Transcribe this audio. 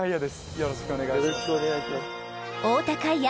よろしくお願いします。